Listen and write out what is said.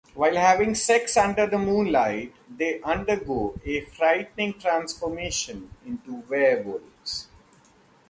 While having sex under the moonlight, they undergo a frightening transformation into werewolves.